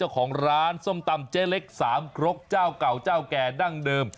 ของร้านส้มตำเจ๊เล็กสามครกเจ้าเก่าเจ้าแก่ดั้งเดิม